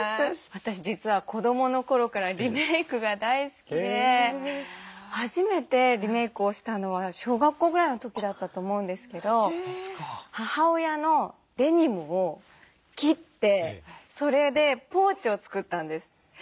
私実は子どもの頃からリメイクが大好きで初めてリメイクをしたのは小学校ぐらいの時だったと思うんですけど母親のデニムを切ってそれでポーチを作ったんです。